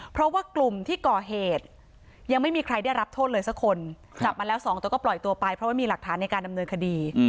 เพราะว่ากลุ่มที่ก่อเหตุยังไม่มีใครได้รับโทษเลยสักคนจับมาแล้ว๒ตัวก็ปล่อยตัวไปเพราะว่ามีหลักฐานในการดำเนินคดี